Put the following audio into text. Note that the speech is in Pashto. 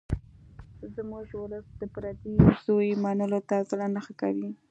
زموږ ولس د پردي زوی منلو ته زړه نه ښه کوي